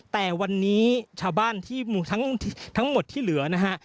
แต่วันนี้ชาวบ้านที่ทั้งหมดที่เหลือนะฮะ